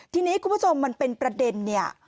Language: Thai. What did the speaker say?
ทีนี้คุณผู้ชมมันเป็นประเด็นเนี่ย